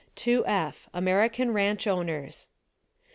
2F. ^ American Ranch Owners.